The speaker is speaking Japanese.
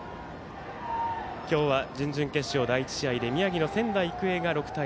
今日は準々決勝、第１試合で宮城の仙台育英が６対２。